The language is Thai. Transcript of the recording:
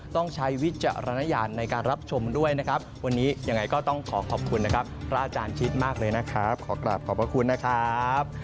ต้องใช้วิจารณญาณในการรับชมด้วยนะครับวันนี้ยังไงก็ต้องขอขอบคุณนะครับพระอาจารย์ชิดมากเลยนะครับขอกลับขอบพระคุณนะครับ